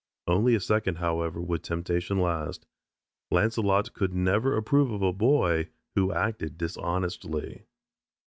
Only a second, however, would temptation last. Launcelot could never approve of a boy who acted dishonestly.